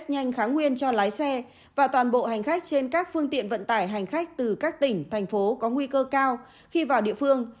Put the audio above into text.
hành khách trên các phương tiện vận tải hành khách từ các tỉnh thành phố có nguy cơ cao khi vào địa phương